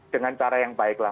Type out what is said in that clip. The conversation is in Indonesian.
dengan cara yang baik lah